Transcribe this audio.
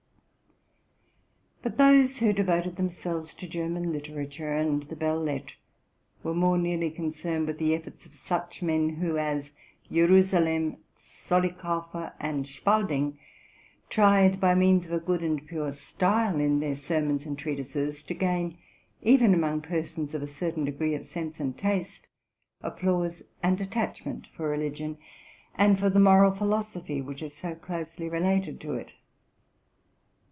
But those who devoted themselves to German literature and the belles lettres were more nearly concerned with the efforts of such men, who, as Jerusalem, Zollikofer, and Spalding, tried, by means of a good and pure style in their sermons and treatises, to gain, even among persons of a cer tain degree of sense and taste, applause and attachment for religion, and for the moral philosophy which is so closely related to it.